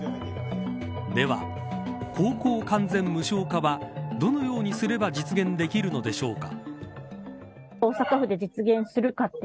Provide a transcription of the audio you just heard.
では、高校完全無償化はどのようにすれば実現できるのでしょうか。